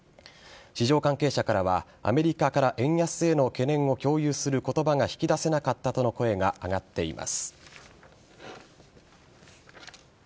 市場関係者からは、アメリカから円安への懸念を共有する言葉が引き出せなかったとの声が上がっています。